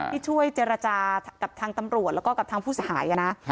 ที่ช่วยเจรจากับทางตำรวจแล้วก็กับทางผู้เสียหายนะ